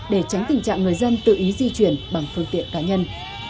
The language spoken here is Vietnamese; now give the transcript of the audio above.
để tránh tình trạng người dân tự ý di chuyển bằng phương tiện cá nhân